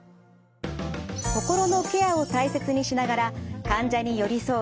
心のケアを大切にしながら患者に寄り添う